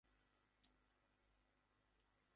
এর চেয়ে খুশির কথা আর কী হতে পারে?